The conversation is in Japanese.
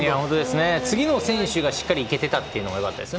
次の選手がしっかり行けていたのがよかったです。